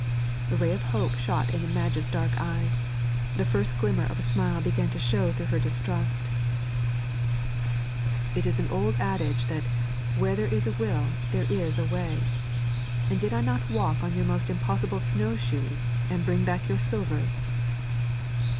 A ray of hope shot into Madge's dark eyes, the first glimmer of a smile began to show through her distress. 'It is an old adage that "where there is a will there is a way," and did I not walk on your most impossible snow shoes and bring back your silver?'